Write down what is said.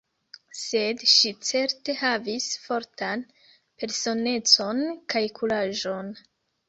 Sed ŝi certe havis fortan personecon kaj kuraĝon.